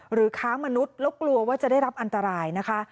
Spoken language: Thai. ค้ามนุษย์แล้วกลัวว่าจะได้รับอันตรายนะคะ